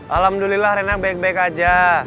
alhamdulillah rena baik baik aja